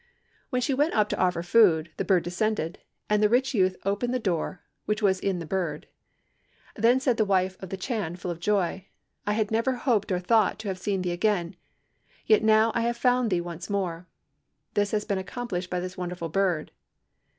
When she went up to offer food, the bird descended, and the rich youth opened the door which was in the bird. Then said the wife of the Chan, full of joy, 'I had never hoped or thought to have seen thee again, yet now have I found thee once more. This has been accomplished by this wonderful bird.'